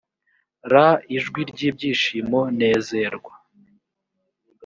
ra ijwi ry ibyishimo nezerwa